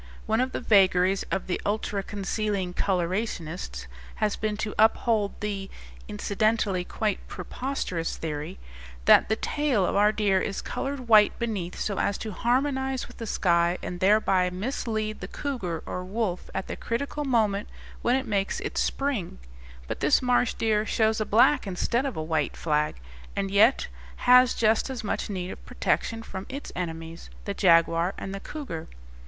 One of the vagaries of the ultraconcealing colorationists has been to uphold the (incidentally quite preposterous) theory that the tail of our deer is colored white beneath so as to harmonize with the sky and thereby mislead the cougar or wolf at the critical moment when it makes its spring; but this marsh deer shows a black instead of a white flag, and yet has just as much need of protection from its enemies, the jaguar and the cougar.